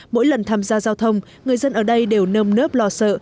mỗi lần tham gia giao thông người dân ở đây đều nơm nớp lo sợ